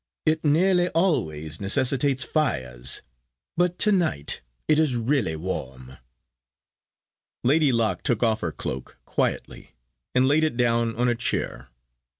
It nearly always necessitates fires. But to night it is really warm." Lady Locke took off her cloak quietly, and laid it down on a chair.